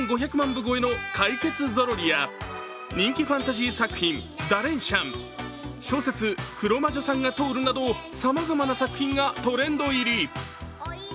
部超えの「かいけつゾロリ」や人気ファンタジー作品「ダレン・シャン」小説「黒魔女さんが通る！！」などさまざまな作品がトレンド入り。